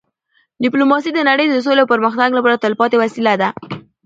ډيپلوماسي د نړی د سولې او پرمختګ لپاره تلپاتې وسیله ده.